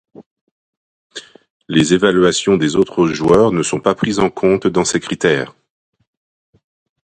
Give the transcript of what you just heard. Les évaluations des autres joueurs ne sont pas prises en compte dans ces critères.